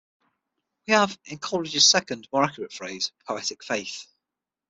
We have, in Coleridge's second, more accurate phrase, "poetic faith".